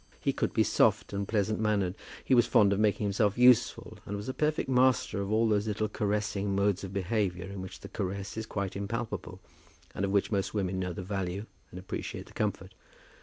He could be soft and pleasant mannered. He was fond of making himself useful, and was a perfect master of all those little caressing modes of behaviour in which the caress is quite impalpable, and of which most women know the value and appreciate the comfort.